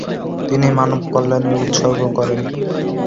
তিনি মানবকল্যাণের উৎসর্গ করেন।